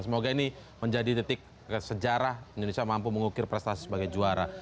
semoga ini menjadi titik sejarah indonesia mampu mengukir prestasi sebagai juara